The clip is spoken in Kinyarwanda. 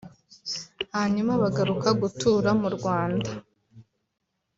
hanyuma bagaruka gutura mu Rwanda